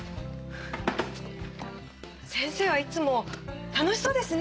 先生はいつも楽しそうですね。